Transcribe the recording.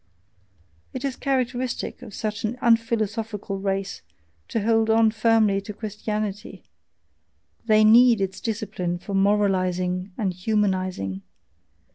It is characteristic of such an unphilosophical race to hold on firmly to Christianity they NEED its discipline for "moralizing" and humanizing.